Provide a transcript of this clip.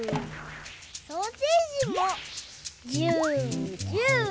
ソーセージもジュージュー。